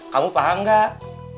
kamu paham gak